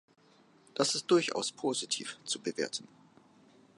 Das ist durchaus positiv zu bewerten.